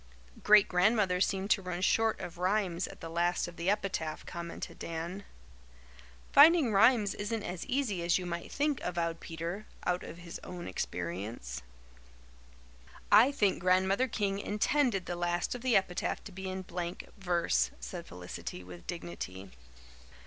"Great Grandmother seemed to run short of rhymes at the last of the epitaph," commented Dan. "Finding rhymes isn't as easy as you might think," avowed Peter, out of his own experience. "I think Grandmother King intended the last of the epitaph to be in blank verse," said Felicity with dignity.